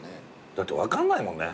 だって分かんないもんね。